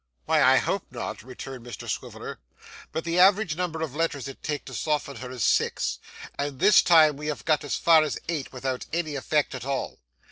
'Why, I hope not,' returned Mr Swiveller, 'but the average number of letters it take to soften her is six, and this time we have got as far as eight without any effect at all.